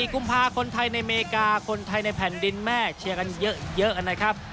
กุมภาคคนไทยในอเมริกาคนไทยในแผ่นดินแม่เชียร์กันเยอะนะครับ